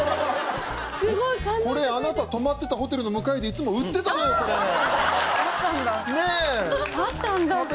これあなた泊まってたホテルの向かいでいつも売ってたのよこれ。あったんだ。